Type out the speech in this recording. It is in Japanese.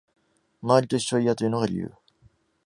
周りと一緒は嫌というのが理由